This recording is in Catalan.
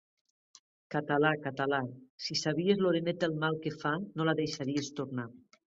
Català, català, si sabies l'oreneta el mal que fa, no la deixaries tornar.